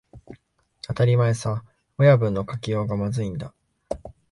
当たり前さ、親分の書きようがまずいんだ